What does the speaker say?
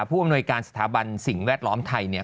ผู้อำนวยการสถาบันสิ่งแวดล้อมไทยเนี่ย